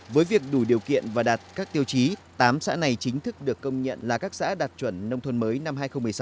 với việc đủ điều kiện và đạt các tiêu chí tám xã này chính thức được công nhận là các xã đạt chuẩn nông thôn mới năm hai nghìn một mươi sáu